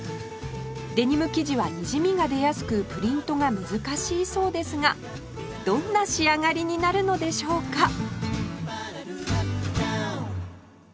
デニム生地はにじみが出やすくプリントが難しいそうですがどんな仕上がりになるのでしょうか？